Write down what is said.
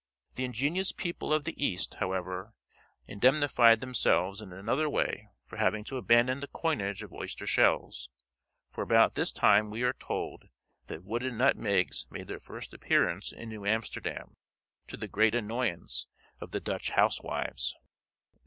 The ingenious people of the east, however, indemnified themselves in another way for having to abandon the coinage of oyster shells, for about this time we are told that wooden nutmegs made their first appearance in New Amsterdam, to the great annoyance of the Dutch housewives.